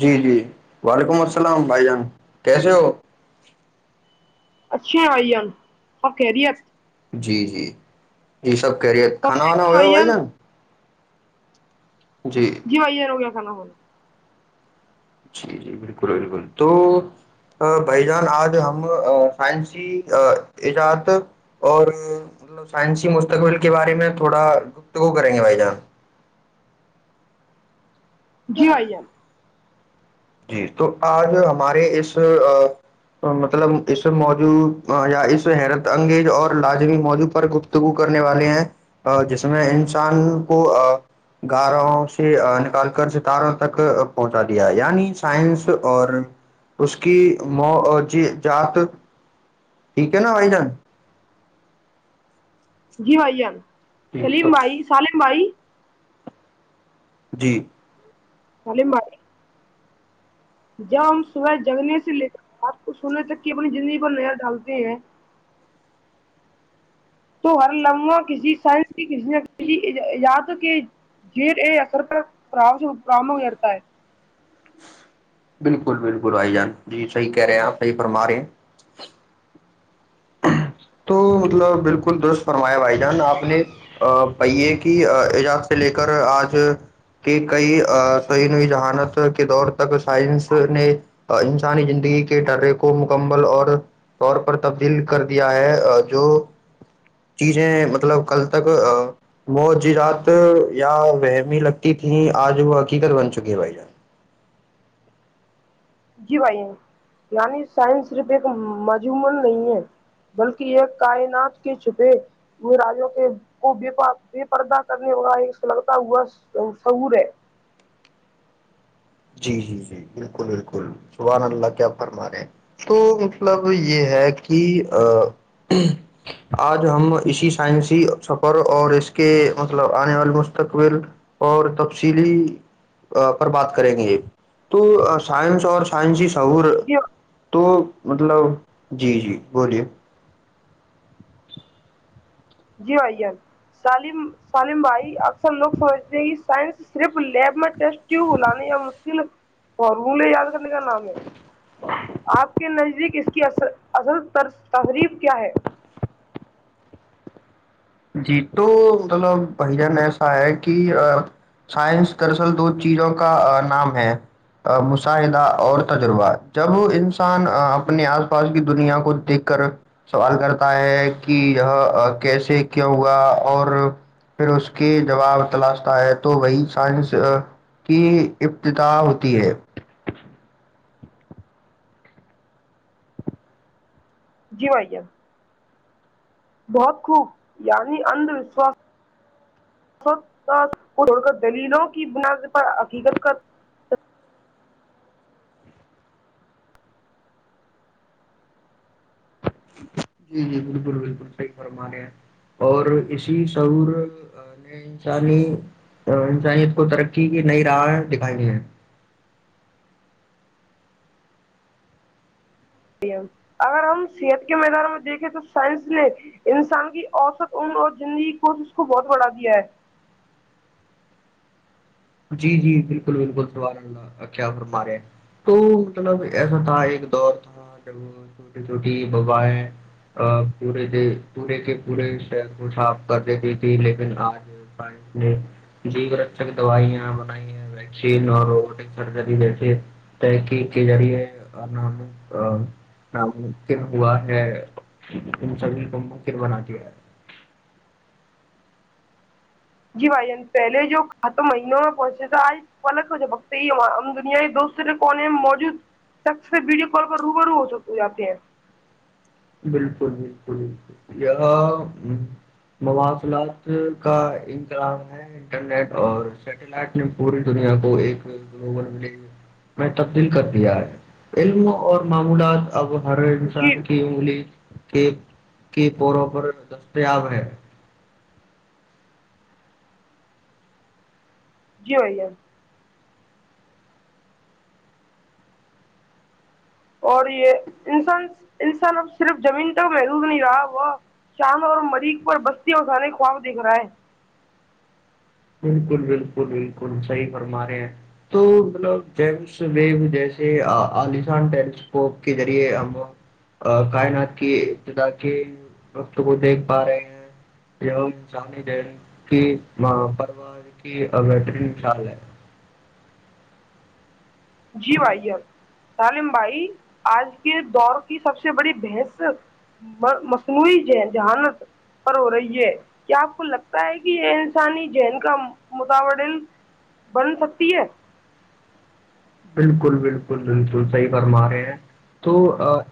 جی جی وعلیکم السلام بھائی جان کیسے ہو اچھے ہیں بھائی جان اپ خیریت جی جی یہ سب خیریت کھانا وانا ہو گیا بھائی جان جی بھائی جان ہو گیا کھانا ہو گیا جی جی بالکل بالکل تو بھائی جان آج ہم سائنسی ایجاد اور مل سائنسی مستقبل کے بارے میں تھوڑا گفتگو کریں گے بھائی جان جی بھائی جان جی تو آج ہمارے اس مطلب اس موضوع یا اس حیرت انگیز اور لازمی موضوع پر گفتگو کرنے والے ہیں جس میں انسان کو گارہ سے نکال کر ستاروں تک پہنچا دیا ہے یعنی سائنس اور اس کی معجزات ٹھیک ہے نا بھائی جان جی بھائی جان ٹھیک تو سلیم بھائی سالم بھائی جی کالم ب جب ہم صبح جگنے سے لیے بات کو سننے تک کہ اپنی زندگی پر نظر ڈالتے ہیں تو ہر لمحا کسی سائنس ک نے ا یاد کے جیڈ اے اثر پر پرام کرتا ہے بالکل بالکل آائی جان جی صحی کہہ رہے ہیں آپ صحی فرما رہے ہیں تو مطلب بالکل درست فرمایا بھائی جان آپ نے پیے کی ایجاز سے لے کر آج کے کئی سعین جذہانت کے دور تک سائنس نے انسانی زندگی کے ڈرے کو مکمل اور طور پر تبدیل کر دیا ہے جو چیزیں مطلب کل تک م جرات یا ومی لگتی تھھی آج وہ حقیقت بن چکی ہے بھائی جان جی بھائی یعنی سائنس صرف ایک مجومن نہیں ہے بلکہ ایک کائنات کے چھپے راجوں کے کو ب بے پردہ کرنے والا ایک سگتا ہوا سعور ہے جی جی جی بالکل بالکل زبحان اللہ کیا فرما رہے تو مطلب یہ ہے کہ آج ہم اسی سائنسی سفر اور اس کے مطلب آنے والے مستقبل اور تفصیلی پر بات کریں گے تو سائنس اور سائنس سہور جی تو [unintelligible] مطلب جی جی بولیے جی بھان سالم سالم بھائی اکثر لوگ سمجھتے ہیں کہ سائنس صرف لیب میں ٹیسٹ ٹیب بلانے یا مشکل فارمولے یاد کرنے کا نام ہے آپ کے نزدیک اس کی ا اصل تقریب کیا ہے جی تو مطلب بھائی جان ایسا ہے کہ سائنس دراصل دو چیزوں کا نام ہے مشاہدہ اور تجربہ جب انسان اپنے آس پاس کی دنیا کو دیکھ کر سوال کرتا ہے کہ یہ کیسے کیا ہوا اور پھر اس کے جواب تلاشتا ہے تو وہی سائنس کی ابتدح ہوتی ہے جی مھیا بہت خوب یعنی انھ وشواس کو چڑ کر دلیلوں کی بنا پر حقیقت کا جی جی بالکل بالکل صحیح فرمانے ہیں اور اسی سعور نے انسانی انسانیت کو ترقی کی نئی راہ دکھائی ہے اگر ہم صحت کے میدار میں دیکھیں تو سائنس نے انسان کی اوسط اون اور زندگی کوش اس کو بہت بڑھا دیا ہے جی جی بالکل بالکل سوال اللہ کیا فرمارے تو مطلب ایسا تھا ایک دور تھا جب چھوٹی چھوٹی وبائیں پورے پورے کے پورے شہر کو صاف کر دیتی تھی لیکن آج سائ نے جی رک دوائیاں بنائی ویکسین اور روبوٹک سرجری جیسے تحقیق کے ذریعے ناممکن ہوا ہے ان سبھی کو ممکن بنا د ہے جی بھائی پہلے جو ختم مہینوں میں پہنچے تھ آج فلق ہو ج بکتے یہ ہم دنیا دوسرے کونے میں موجود شخص سے ویڈیو کال پر روب رو ہو سکتے جاتے ہیں بالکل بالکل بکل یہ مواصلات کا انقظام ہے انٹرنیٹ اور سیٹلائٹ نے پوری دنیا کو ایک گلوبل مل میں تبدیل کر دیا ہے علم اور معمولات اب ہر جی انسان کے کے پوں پر دستیاب ہے جی ہویا اور یہ انسان انسان اب صرف زمین تک محدوظ نہیں رہا وہ شاند اور مریخ پر بستی اور گانے خواب دیکھ رہا ہے بالکل بالکل بالکل صحیح فرما رہے ہیں تو مطلب جیمس ویو جیسے عالسان ٹیلی اسکوپ کے ذریعے ہم کائنات کی ابتدا کے وقت کو دیکھ پا رہے ہیں یا انسانی جہل کی بٹرین شال ہے جی بھائی سالم بھائی آج کے دور کی سب سے بڑی بحث مصنوعی جہانت پر ہو رہی ہے کیا آپ کو لگتا ہے کہ یہ انسانی ذہن کا متال بن سکتی ہے بالکل بالکل بالکل صحیح فرما رہے ہیں تو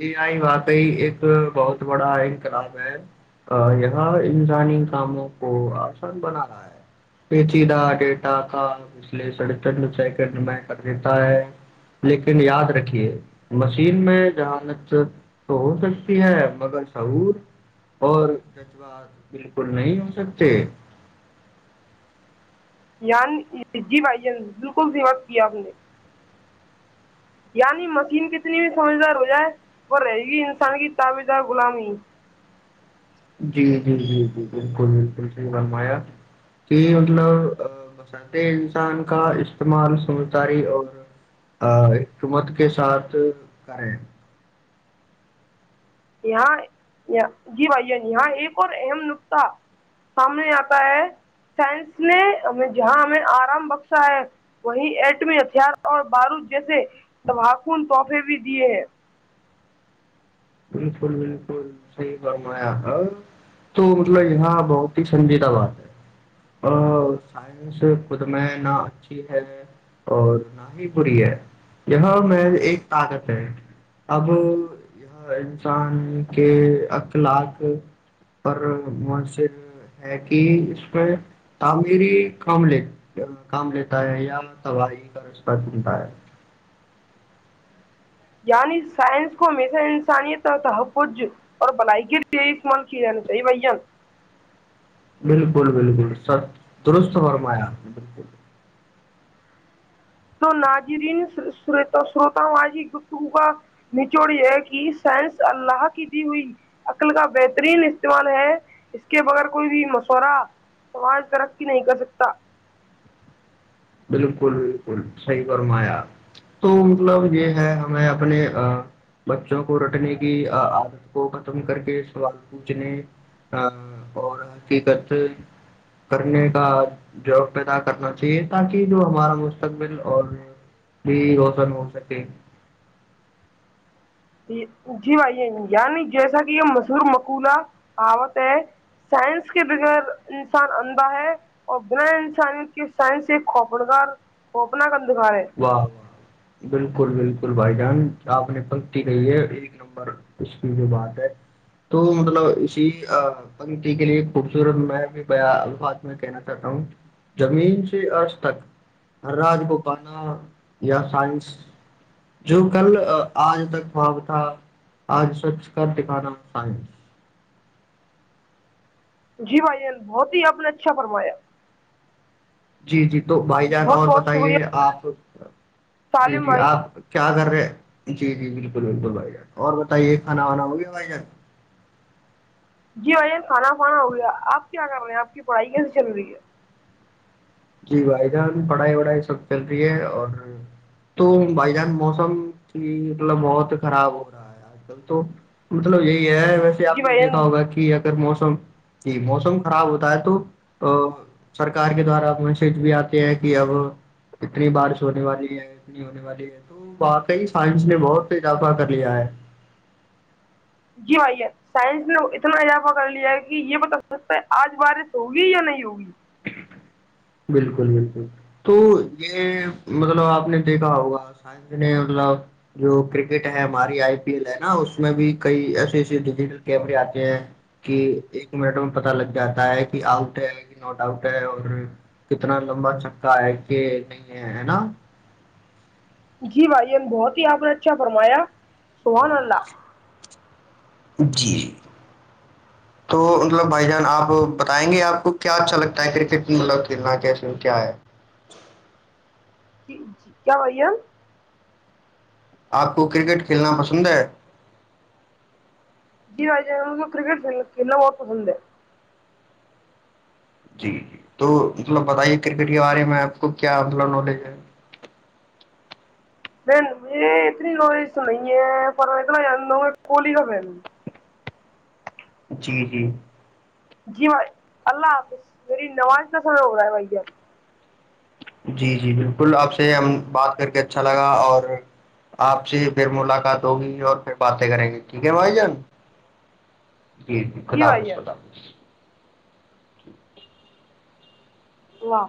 اے آئی واقعی ایک بہت بڑا انقلاب ہے یہ انسانی کاموں کو آسان بنا رہا ہے پیچیدہ ڈیٹا تھا پچھلے سڑ سیکنڈ میں کر ہے لیکن یاد رکھیے مشین میں ذہانت تو ہو سکتی ہے مگر سعور اور جذبات بالکل نہیں ہو سکتے یان جی بھائی ج بالکل سمت کیا ہم نے یعنی مشین کتنی بھی سمجھدار ہو جائے وہ رہے گی انسان کی تابیدہ غلامی جی جی جی جی بالکل بالکل صحیحرمایا کہ مطلب مسد انسان کا استعمال سمجھداری اور حکمت کے ساتھ کریں یہاں جی بھائیان یہاں ایک اور اہم نکتاہ سامنے آتا ہے سائنس نے ہمیں جہاں ہمیں آرام بخشا ہے وہیں ایٹمی ہتھیار اور بارود جیسے تباکن تحفے بھی دیے ہیں بالکل بالکل صحیح فرمایا ہ تو مطلب یہاں بہت ہی سنجیدہ بات ہے اور سائنس خود میں نہ اچھی ہے اور نہ ہی بری ہے یہاں میں ایک طاقت ہے اب انسان کے اخلاق پر مؤثر ہے کہ اس میں تعمیری کام لی کام لیتا ہے یا تباہی کا رشتہ کلتا ہے یعنی سائنس کو ہمیشہ انسانیت اور تحفظ اور بلائیگی لیے استعمال کیے جانے چاہیے بھان بالکل بالکل س درست فرمایا بالکل تو ناجرین سروتاوجی گفتگو کا نچوڑ یہ کہ سائنس اللہ کی دی ہوئی عقل کا بہترین استعمال ہے اس کے بغیر کوئی بھی مشورہ سماج ترقی نہیں کر سکتا بالکل بکل صحیح فرمایا تو مطلب یہ ہے ہمیں اپنے بچوں کو رٹنے کی عادت کو ختم کر کے سوال پوچھنے اور حقیقت کرنے کا جواب پیدا کرنا چاہیے تاکہ جو ہمارا مستقبل اور بھی روشن ہو سکے جی بھائی یعنی جیسا کہ یہ مشہور مقولہ کہاوت ہے سائنس کے بغیر انسان اندھا ہے اور بنا انسانی کے سائنس ایک کوپنگار کوپنا کا واہ بالکل بالکل بھائی جان آپ نے پنکتی کہی ہے ایک نمبر اس کی جو بات ہے تو مطلب اسی پنکتی کے لیے خوبصورت میں بھی بیا الفاظ میں کہنا چاہتا ہوں زمین سے ارج تک راج کو انا یا سائنس جو کل آج تک خواب تھا آج سچ کر دکھانا سائنس [inaudible] جی بھائی بہت ہی آپ نے اچھا فرمایا جی جی تو بھائی جان بہت اور بہت بتائیے شکریہ آپ جی سالم جی بھائی آپ کیا کر رہے جی جی بالکل بالکل بھائی جان اور بتائیے کھانا وانا وہ بھی بھائی جان کا جی بھائیین کھانا پھانا ہو گیا آپ کیا کر رہے ہیں آپ کی پڑھائی کیسی چلروری ہے جی بھائی جان پڑھائی وڑھائی سب چل رہی ہے اور تو بھائی جان موسم کی مطلب بہت خراب ہو رہا ہے آج کل تو مطلب یہی ہے ویسے جی آپ نے بھائی جان دیکا ہوگا کہ اگر موسم جی موسم خراب ہوتا ہے تو سرکار کے دوارا بھی آتے ہے کہ اب اتنی بارش ہونے والی ہے اتنی ہونے والی ہے تو واقعی سائنس نے بہت اضافہ کر لیا ہے جی بھیا سائنس نے اتنا اضافہ کر لیا ہے کہ یہ بتا سکتا ہے آج بارش ہوگی یا نہیں ہوگی بالکل بالکل تو یہ مطلب آپ نے دیکھا ہوگا سائننے مطلب جو کرکٹ ہے ہماری آئی پی ایل ہے نا اس میں بھی کئی ایسے ایس ڈیجیٹل کیمرے آتے ہیں کہ ایک منٹ میں پت لگ جاتا ہے کہ آؤٹ ہے کہ ناٹ آؤٹ ہے اور کتنا لمبا چککا ہے کہ نہیں ہے ہے نا جی بھائی نے بہت ہی آپ نے اچھا فرمایا سونلہ جی جی تو مطلب بھائی جان آپ بتائیں گے آپ کو کیا اچھا لگتا ہے کرکٹ مطلب کھیلنا کیس کیا ہے جی کیا بائییا آپ کو کرکٹ کھیلنا پسند ہے جی بھائی جان م کو کرکٹل کھیلنا بہت پسند ہے جی جی تو مطلب بتائیے کرکٹ کے بارے میں آپ کو کیا مطلب نالج ہے میں اتنی لو نہیں ہے پر اتنا ہ کوہلی کا فن ہوں جی جی جی بھائی اللہ حافظ میری نماز کا سمے ہو رہا ہے بھائی جی جی بالکل آپ سے ہم بات کر کے اچھا لگا اور آپ سے پھر ملاقات ہوگی اور پھر باتیں کریں گے ٹھیک ہے بھائی جان جی جی بھائی خدافظ جان خدافظ [inaudible] واہ